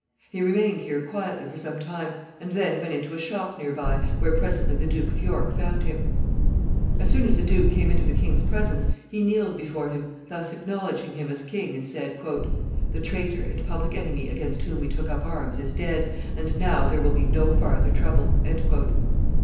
He remained here quietly for some time, and then went into a shop near by, where presently the Duke of York found him. [Sidenote: The duke's demeanor.] As soon as the Duke came into the king's presence he kneeled before him, thus acknowledging him as king, and said, "The traitor and public enemy against whom we took up arms is dead, and now there will be no farther trouble."